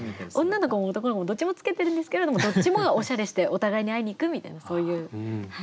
女の子も男の子もどっちも着けてるんですけれどもどっちもがおしゃれしてお互いに会いに行くみたいなそういう。